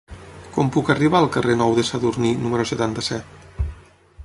Com puc arribar al carrer Nou de Sadurní número setanta-set?